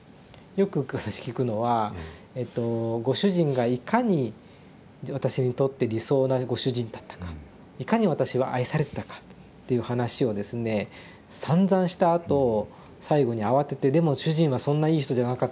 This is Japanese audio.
よく聞くのはご主人がいかに私にとって理想なご主人だったかいかに私は愛されてたかっていう話をですねさんざんしたあと最後に慌てて「でも主人はそんないい人じゃなかったんです」